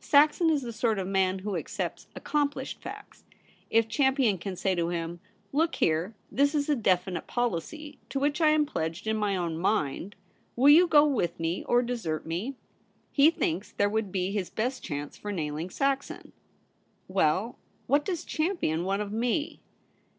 Saxon is the sort of man who accepts accomplished facts. If Champion can say to him, " Look here, this is a definite policy, to which I am pledged in my own mind : will you go with me or desert me ?" he thinks there would be his best chance for nailing Saxon.' ' Well, what does Champion want of me